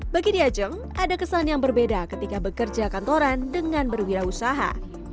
bagi diajeng ada kesan yang berbeda ketika bekerja kantoran dengan berwirausaha